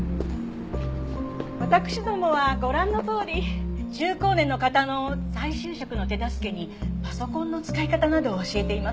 私どもはご覧のとおり中高年の方の再就職の手助けにパソコンの使い方などを教えています。